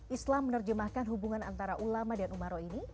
islam menerjemahkan hubungan antara ulama dan umaro ini